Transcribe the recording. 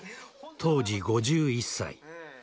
当時５１歳。